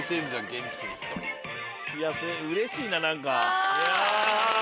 うれしいな何か。